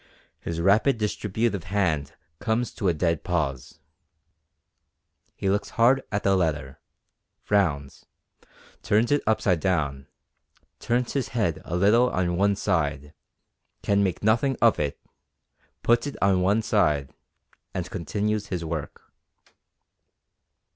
His rapid distributive hand comes to a dead pause. He looks hard at the letter, frowns, turns it upside down, turns his head a little on one side, can make nothing of it, puts it on one side, and continues his work.